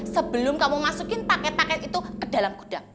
sebelum kamu masukin paket paket itu ke dalam gudang